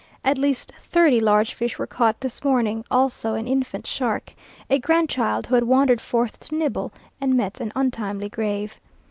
At least thirty large fish were caught this morning, also an infant shark, a grandchild who had wandered forth to nibble, and met an untimely grave.